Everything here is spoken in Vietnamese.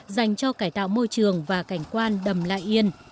dành cho cải tạo môi trường và cảnh quan đầm lại yên